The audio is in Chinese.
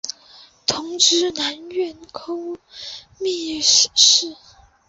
同知南院枢密使事。